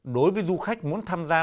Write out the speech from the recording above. đối với du khách muốn tham gia